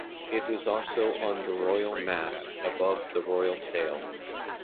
It was also on the royal mast above the royal sail.